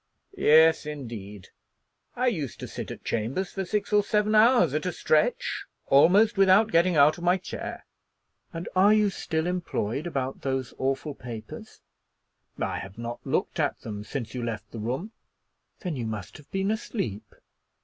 "Yes, indeed; I used to sit at chambers for six or seven hours at a stretch, almost without getting out of my chair." "And are you still employed about those awful papers?" "I have not looked at them since you left the room." "Then you must have been asleep."